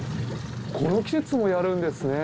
この季節もやるんですね。